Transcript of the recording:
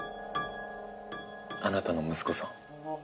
あなたの息子さん。